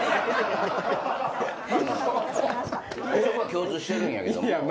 共通してるんやけども。